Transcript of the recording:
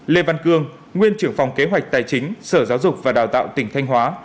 lê văn cương nguyên trưởng phòng kế hoạch tài chính sở giáo dục và đào tạo tỉnh thanh hóa